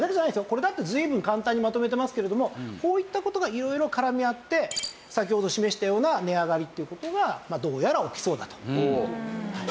これだって随分簡単にまとめてますけれどもこういった事が色々絡み合って先ほど示したような値上がりっていう事がどうやら起きそうだと。